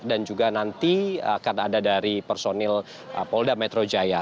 dan juga nanti akan ada dari personil polda metro jaya